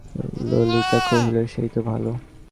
ললিতা কহিল, সেই তো ভালো।